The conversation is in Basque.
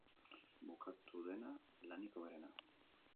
Bukatu dena, lanik hoberena.